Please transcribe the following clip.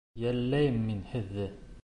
Йәлләйем мин һеҙҙе.